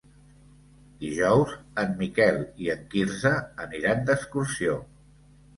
Dijous en Miquel i en Quirze aniran d'excursió.